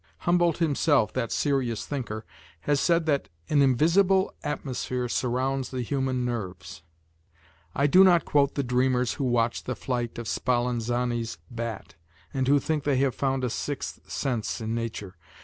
Humboldt himself, that serious thinker, has said that an invisible atmosphere surrounds the human nerves. I do not quote the dreamers who watch the flight of Spallanzani's bat, and who think they have found a sixth sense in nature.